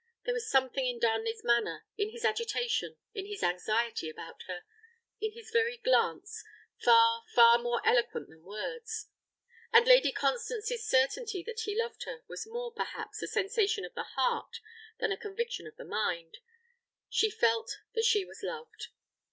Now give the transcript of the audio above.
There had been something in Darnley's manner, in his agitation, in his anxiety about her, in his very glance, far, far more eloquent than words; and Lady Constance's certainty that he loved her was more, perhaps, a sensation of the heart than a conviction of the mind: she felt that she was loved.